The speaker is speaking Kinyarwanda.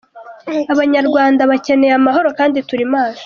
Abanyarwanda bakeneye amahoro, kandi turi maso.